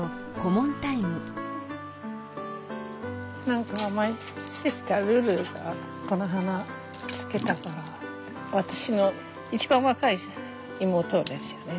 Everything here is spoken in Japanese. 何かマイシスタールルがこの花つけたから私の一番若い妹ですよね。